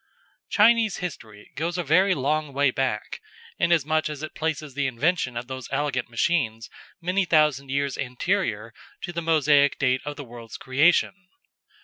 Chinese history goes a very long way back, inasmuch as it places the invention of these elegant machines many thousand years anterior to the Mosaic date of the world's creation.